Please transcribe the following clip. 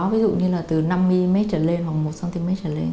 ví dụ như là từ năm mm trở lên hoặc một cm trở lên